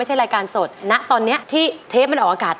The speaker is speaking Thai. รายการสดณตอนนี้ที่เทปมันออกอากาศ